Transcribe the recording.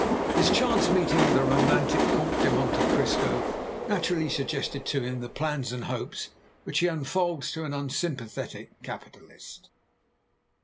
His chance meeting with the romantic Comte de Monte Cristo naturally suggested to him the plans and hopes which he unfolds to an unsympathetic capitalist.